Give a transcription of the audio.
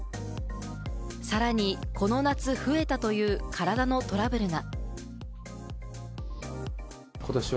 さらにこの夏、増えたという体のトラブルが。